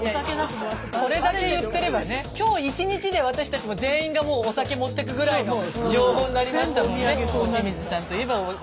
これだけ言ってればね今日一日で私たちも全員がもうお酒持ってくぐらいの情報になりましたもんね。